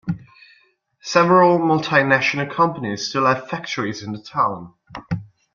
Several multi-national companies still have factories in the town.